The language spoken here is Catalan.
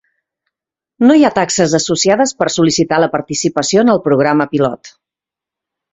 No hi ha taxes associades per sol·licitar la participació en el programa pilot.